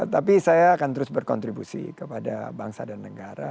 tapi saya akan terus berkontribusi kepada bangsa dan negara